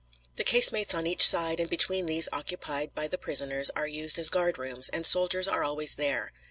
The casemates on each side and between these occupied by the prisoners are used as guard rooms, and soldiers are always there.